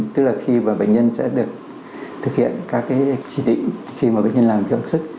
tức là khi mà bệnh nhân sẽ được thực hiện các cái chỉ định khi mà bệnh nhân làm cho sức